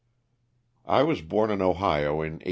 T WAS born in Ohio, in 1847.